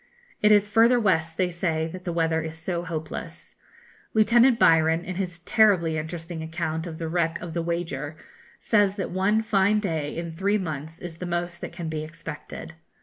It is further west, they say, that the weather is so hopeless. Lieutenant Byron, in his terribly interesting account of the wreck of the 'Wager,' says that one fine day in three months is the most that can be expected.